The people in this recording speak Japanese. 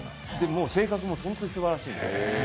もう性格も本当にすばらしいです。